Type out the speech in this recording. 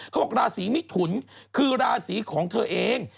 เขาบอกราศีมิถุนคือราศีของเธอเอง